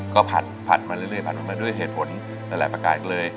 ก็ผัดมาเรื่อยผัดมาด้วยเหตุผลหลายประการเลย